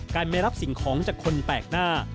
ไม่รับสิ่งของจากคนแปลกหน้า